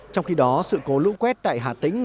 trong khi đó sự cố lũ quét tại hà tĩnh